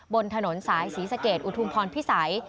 บนถนนสายศรีสะเกดอุทุมพรพิสัย